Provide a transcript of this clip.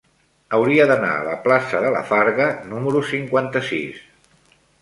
Hauria d'anar a la plaça de la Farga número cinquanta-sis.